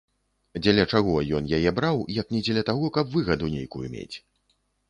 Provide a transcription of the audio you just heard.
Дзеля чаго ён яе браў, як не дзеля таго, каб выгаду нейкую мець.